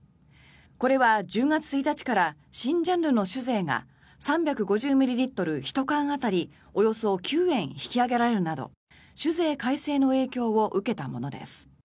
これは１０月１日から新ジャンルの酒税が３５０ミリリットル１缶当たりおよそ９円引き上げられるなど酒税改正の影響を受けたものです。